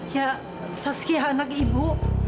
ya saskia anak ibu